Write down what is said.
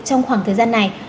trong khoảng thời gian này